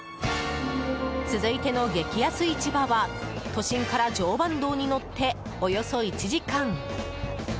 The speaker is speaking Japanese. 続いての激安市場は都心から常磐道に乗っておよそ１時間。